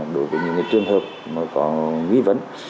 đối với những trường hợp có nghi vấn